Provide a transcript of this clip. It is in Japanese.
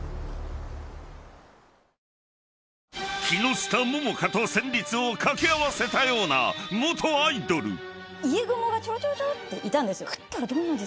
［木下百花と戦慄を掛け合わせたような元アイドル］